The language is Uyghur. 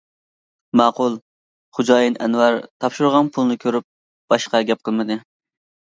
-ماقۇل. خوجايىن ئەنۋەر تاپشۇرغان پۇلنى كۆرۈپ باشقا گەپ قىلمىدى.